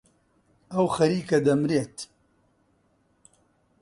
ئەو خەریکە دەمرێت.